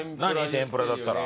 天ぷらだったら。